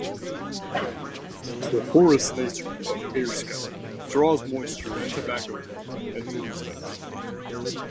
The porous nature of meerschaum draws moisture and tobacco tar into the stone.